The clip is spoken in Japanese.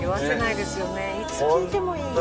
いつ聴いてもいい。